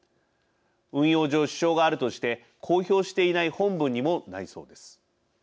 運用上支障があるとして公表していない本文にもないそうです。